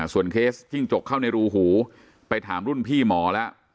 ส่วนเคสจิ้งจกเข้าในรูหูไปถามรุ่นพี่หมอแล้ว